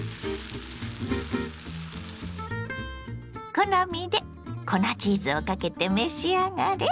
好みで粉チーズをかけて召し上がれ。